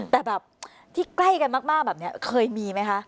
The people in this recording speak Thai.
แต่แบบที่ใกล้กันมากแบบนี้เคยมีไหมคะ